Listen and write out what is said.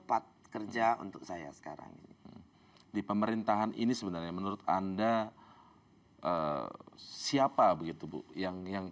part kerja untuk saya sekarang ini di pemerintahan ini sebenarnya menurut anda siapa begitu bu yang yang